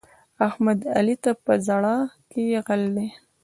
احمد؛ علي ته په زړه کې غل دی.